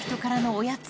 おやつ。